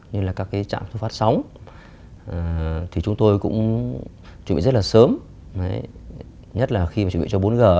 như là các cái trạm thu phát sóng thì chúng tôi cũng chuẩn bị rất là sớm nhất là khi mà chuẩn bị cho bốn g